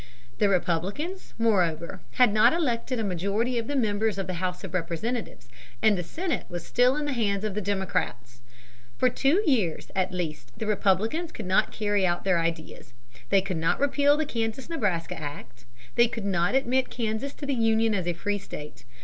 The Republicans, moreover, had not elected a majority of the members of the House of Representatives, and the Senate was still in the hands of the Democrats. For two years at least the Republicans could not carry out their ideas. They could not repeal the Kansas Nebraska Act. They could not admit Kansas to the Union as a free state.